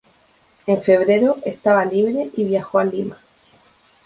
En febrero estaba libre y viajó a Lima.